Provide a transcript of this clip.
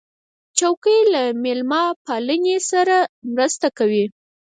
چوکۍ له میلمهپالۍ سره مرسته کوي.